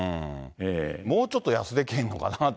もうちょっと安でけへんのかなって。